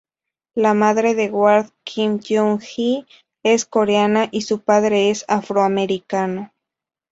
La madre de Ward, Kim Young-hee es coreana y su padre es afroamericano.